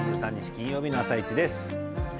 金曜日の「あさイチ」です。